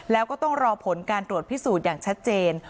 แล้วก็ต้องรอผลการตรวจพิสูจน์อย่างชัดเจน